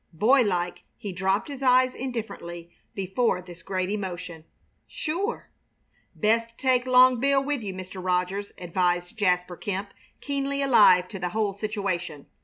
Boylike he dropped his eyes indifferently before this great emotion. "Sure!" "Best take Long Bill with you, Mr. Rogers," advised Jasper Kemp, keenly alive to the whole situation.